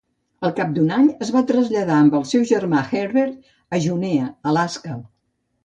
Al cap d'un any, es va traslladar amb el seu germà Herbert a Juneau, Alaska.